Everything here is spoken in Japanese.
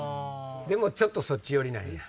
でもちょっとそっち寄りなんや。